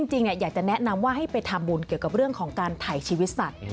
จริงอยากจะแนะนำว่าให้ไปทำบุญเกี่ยวกับเรื่องของการถ่ายชีวิตสัตว์